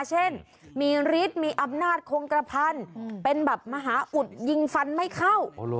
เช่นมีฤทธิ์มีอำนาจคงกระพันเป็นแบบมหาอุดยิงฟันไม่เข้า